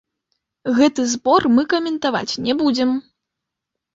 Гэты збор мы каментаваць не будзем!